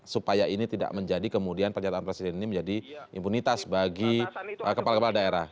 supaya ini tidak menjadi kemudian pernyataan presiden ini menjadi impunitas bagi kepala kepala daerah